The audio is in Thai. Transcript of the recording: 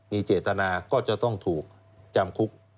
มีเจตนาก็จะต้องถูกจำคุก